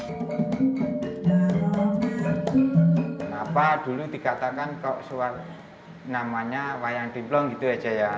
kenapa dulu dikatakan kok suara namanya wayang diplong gitu aja ya